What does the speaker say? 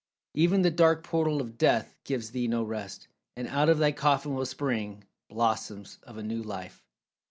"Even the dark portal of death gives thee no rest, and out of thy coffin will spring blossoms of a new life."